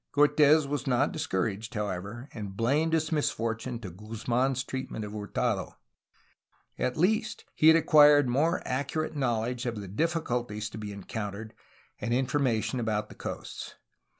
Cortes was not discouraged, how ever, and blamed his misfortune to Guzman's treatment of Hurtado. At least, he had acquired more accurate knowl edge of the difficulties to be encountered and information about the coasts.